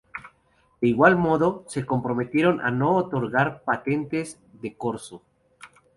De igual modo, se comprometieron a no otorgar patentes de corso.